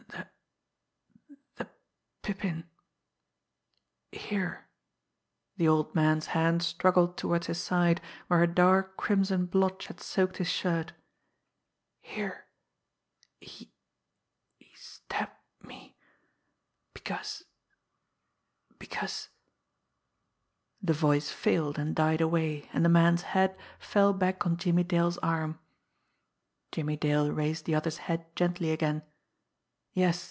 "The the Pippin. Here" the old man's hand struggled toward his side where a dark crimson blotch had soaked his shirt "here he he stabbed me because because " The voice failed and died away, and the man's head fell back on Jimmie Dale's arm. Jimmie Dale raised the other's head gently again. "Yes!"